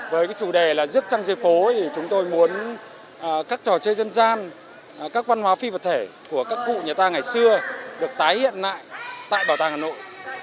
với chủ đề là rước trăng phố thì chúng tôi muốn các trò chơi dân gian các văn hóa phi vật thể của các cụ người ta ngày xưa được tái hiện lại tại bảo tàng hà nội